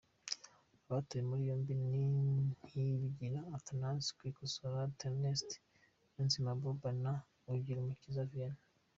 Abatawe muri yombi ni Ntiyibigira Athanase, Kwikosora Theoneste, Niyonzima Abuba na Ugirumukiza Vianney.